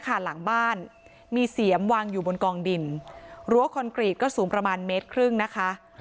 หลังบ้านมีเสียมวางอยู่บนกองดินรั้วคอนกรีตก็สูงประมาณเมตรครึ่งนะคะ